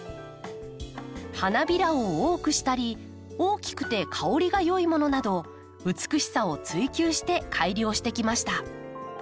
花びらを多くしたり大きくて香りが良いものなど美しさを追究して改良してきました。